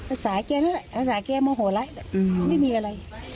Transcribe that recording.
อาศัยแกแล้วอาศัยแกโมโหละอืมไม่มีอะไร